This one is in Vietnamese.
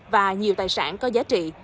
và nhiều tài sản có giá trị